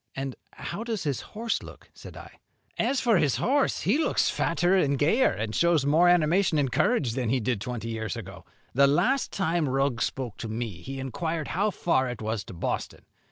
"And how does his horse look?" said I. "As for his horse, he looks fatter and gayer, and shows more animation and courage, than he did twenty years ago. The last time Rugg spoke to me he inquired how far it was to Boston.